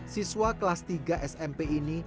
siswa kelas tiga smp ini